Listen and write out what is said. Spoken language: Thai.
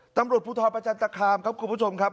ตำรวจภูทรประจันตคามครับคุณผู้ชมครับ